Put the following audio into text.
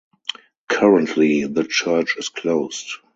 Currently the church is closed.